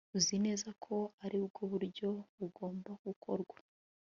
Uzi neza ko aribwo buryo bugomba gukorwa